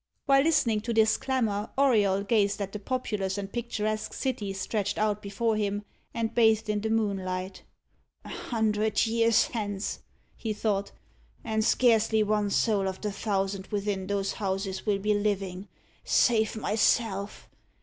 While listening to this clamour, Auriol gazed at the populous and picturesque city stretched out before him, and bathed in the moonlight. "A hundred years hence," he thought, "and scarcely one soul of the thousands within those houses will be living, save myself.